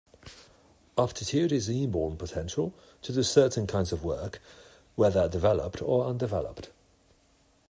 Aptitude is inborn potential to do certain kinds of work whether developed or undeveloped.